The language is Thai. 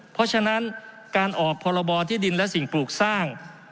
เพราะฉะนั้นการออกพรบที่ดินและสิ่งปลูกสร้าง